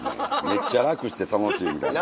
めっちゃ楽して楽しいみたいな。